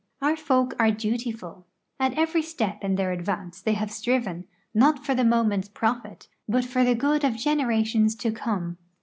Our folk are dutiful ; at every step in their advance they have striven, not for the moment's profit, but for the good of generations to come.